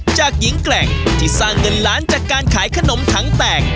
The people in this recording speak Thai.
จากหญิงแกร่งที่สร้างเงินล้านจากการขายขนมถังแตก